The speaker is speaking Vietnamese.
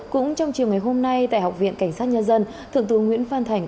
cũng trong chiều ngày hôm nay tại học viện cảnh sát nhân dân thượng tướng nguyễn phan thành